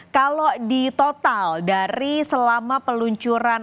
kalau di total dari selama peluncuran